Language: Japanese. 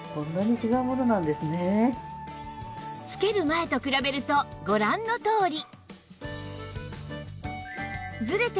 着ける前と比べるとご覧のとおり